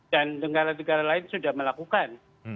dan negara negara lain sudah melakukan